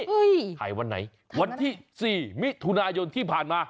ถ่ายวันไหนวันที่สี่มิถุนายนที่ผ่านมา